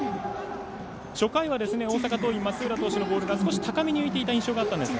初回は大阪桐蔭の松浦投手のボールが少し高めに浮いていた印象があったんですが。